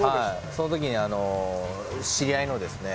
その時に知り合いのですね